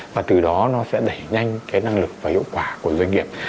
và từ đó nó sẽ đẩy nhanh cái năng lực và hiệu quả của doanh nghiệp